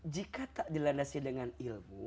jika tak dilandasi dengan ilmu